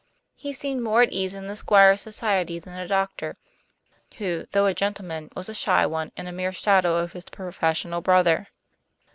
He seemed more at ease in the Squire's society than the doctor, who, though a gentleman, was a shy one, and a mere shadow of his professional brother.